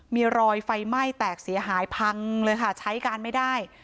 มีรอยไฟไหม้แตกเสียหายพังเลยค่ะใช้การไม่ได้